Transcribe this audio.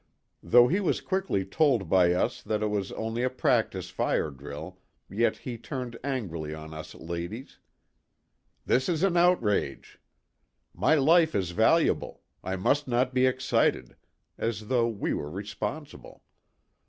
Though he was quickly told by us that it was only a practice fire drill yet he turned angrily on us ladies :" This is an outrage. My life is 122 THE TWO WILLS. valuable. I must not be excited," as though we were responsible.